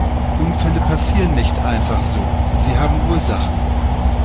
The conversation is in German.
Unfälle passieren nicht einfach so, sie haben Ursachen.